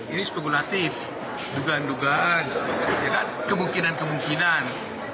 ini spekulatif dugaan dugaan kemungkinan kemungkinan